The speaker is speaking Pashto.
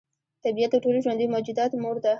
طبیعت د ټولو ژوندیو موجوداتو مور ده.